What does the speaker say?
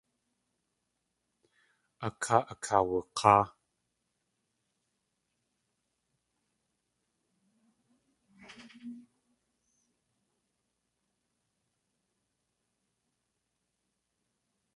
A káa akaawak̲áa.